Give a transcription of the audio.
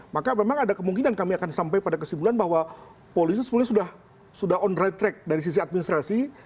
maka memang ada kemungkinan kami akan sampai pada kesimpulan bahwa polisi sebenarnya sudah on right track dari sisi administrasi